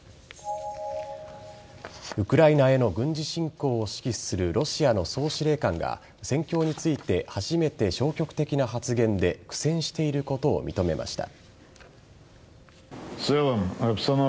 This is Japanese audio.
ウクライナへの軍事侵攻を指揮するロシアの総司令官が戦況について初めて消極的な発言で苦戦していることを認めました。